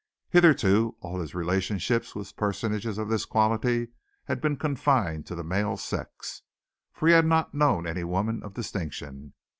Hitherto all his relationships with personages of this quality had been confined to the male sex, for he had not known any women of distinction.